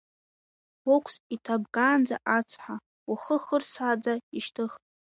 Уқәс иҭабгаанӡа ацҳа, ухы хырсаанӡа ишьҭых.